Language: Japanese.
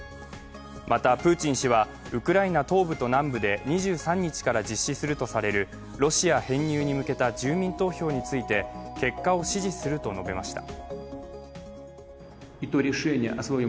また、プーチン氏はウクライナ東部と南部で２３日から実施するとされるロシア編入に向けた住民投票について結果を支持すると述べました。